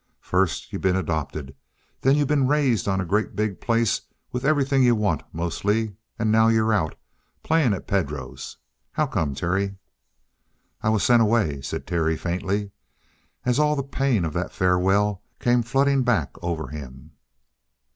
"First, you been adopted, then you been raised on a great big place with everything you want, mostly, and now you're out playing at Pedro's. How come, Terry?" "I was sent away," said Terry faintly, as all the pain of that farewell came flooding back over him.